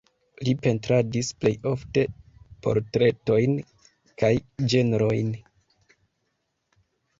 Li pentradis plej ofte portretojn kaj ĝenrojn.